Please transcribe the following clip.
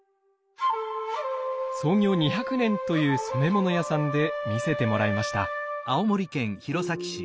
創業２００年という染め物屋さんで見せてもらいました。